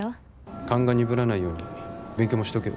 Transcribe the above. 勘が鈍らないように勉強もしとけよ。